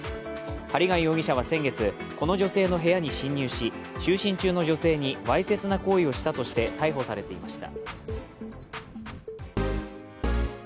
針谷容疑者は先月、この女性の部屋に侵入し就寝中の女性にわいせつな行為をしたとして逮捕されていました。